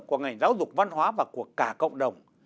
của ngành giáo dục văn hóa và của cả cộng đồng